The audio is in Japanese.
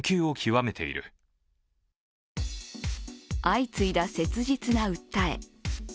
相次いだ切実な訴え。